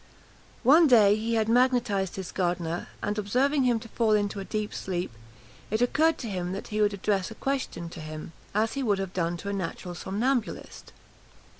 One day he had magnetised his gardener; and observing him to fall into a deep sleep, it occurred to him that he would address a question to him, as he would have done to a natural somnambulist.